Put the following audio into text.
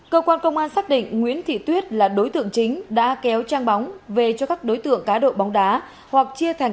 cơ quan công an xác định nguyễn thị tuyết là đối tượng chính đã kéo trang bóng về cho các đối tượng cá độ bóng đá hoặc chia thành